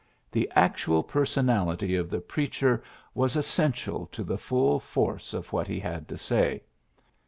The actual personality of the preacher was essential to the full force of what he had to say.